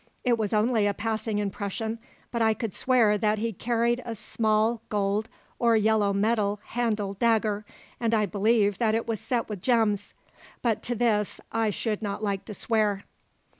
It was only a passing impression, but I could swear that he carried a small gold or yellow metal handled dagger, and I believe that it was set with gems, but to this I should not like to swear."